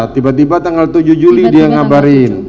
tiba tiba tanggal tujuh juli dia ngabarin